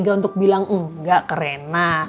tega untuk bilang nggak ke reina